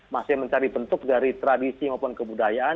masih mencari bentuk dari tradisi maupun kebudayaan